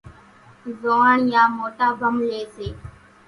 زوئاڻيا موٽا ڀم لئي سي